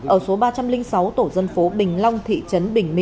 ở số ba trăm linh sáu tổ dân phố bình long thị trấn bình mỹ